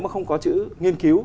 không có chữ nghiên cứu